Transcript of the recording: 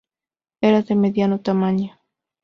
Era de mediano tamaño.